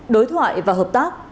đối thoại và hợp tác